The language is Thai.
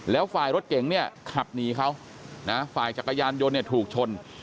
แล้วฝ่ายรถเก๋งเนี่ยขับหนีเขานะฝ่ายจักรยานยนต์เนี่ยถูกชน